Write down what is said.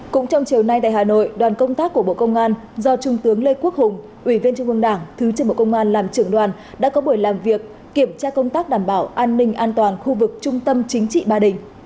cũng trong chiều nay tại hà nội đoàn công tác của bộ công an do trung tướng lê quốc hùng ủy viên trung ương đảng thứ trưởng bộ công an làm trưởng đoàn đã có buổi làm việc kiểm tra công tác đảm bảo an ninh an toàn khu vực trung tâm chính trị ba đình